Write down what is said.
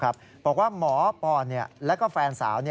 บอกว่าหมอปอร์และแฟนสาว